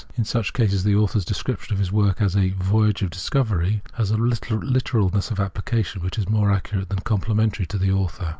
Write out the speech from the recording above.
In such cases, the author's description of his work as his " voyage of discovery " has a literal ness of application which is more accurate than com plimentary to the author.